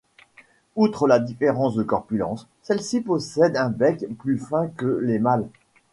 Outre la différence de corpulence, celles-ci possèdent un bec plus fin que les mâles.